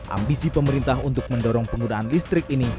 ambisi pemerintah untuk mendorong penggunaan listrik ini